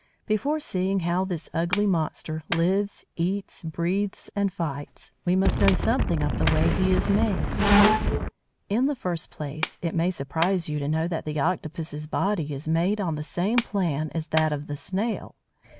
Before seeing how this ugly monster lives, eats, breathes and fights, we must know something of the way he is made. In the first place, it may surprise you to know that the Octopus's body is made on the same plan as that of the snail.